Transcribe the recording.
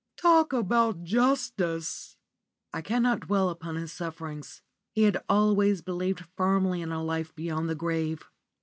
Talk about justice!" I cannot dwell upon his sufferings. He had always believed firmly in a life beyond the grave.